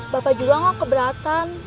bapak juga nggak keberatan